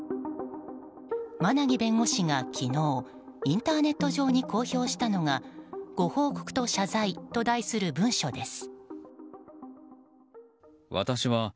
馬奈木護士が昨日インターネット上に公表したのがご報告と謝罪と題する文書です。